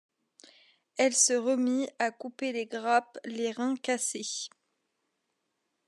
Elle se remit à couper les grappes, les reins cassés.